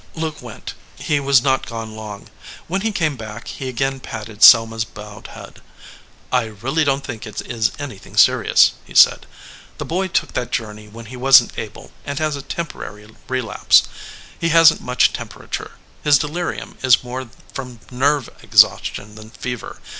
Luke went. He was not gone long. When he came back he again patted Selma s bowed head. "I really don t think it is anything serious," he said. "The boy took that journey when he wasn t able, 170 THE LIAR and has a temporary relapse. He hasn t much temperature. His delirium is more from nerve ex haustion than fever.